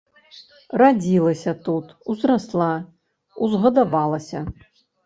Радзілася тут, узрасла, узгадавалася.